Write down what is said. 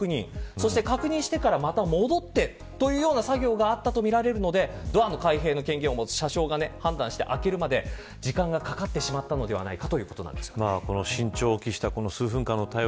そして、確認してからまた戻ってというような作業があったとみられるのでドアの開閉の権限を持つ車掌が判断し、開けるまで時間がかかってしまったのではないかということです。